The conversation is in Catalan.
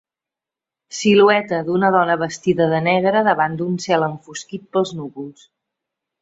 Silueta d'una dona vestida de negre davant d'un cel enfosquit pels núvols.